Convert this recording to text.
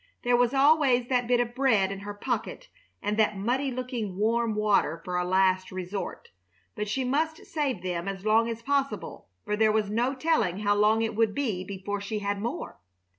There was always that bit of bread in her pocket and that muddy looking, warm water for a last resort; but she must save them as long as possible, for there was no telling how long it would be before she had more.